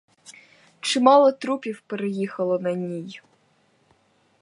Чимало трупів переїхали на ній.